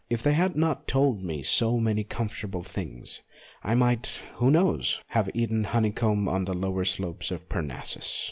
If they had not told me so many comfortable things, I might who knows? have eaten honeycomb on the lower slopes of Parnassus.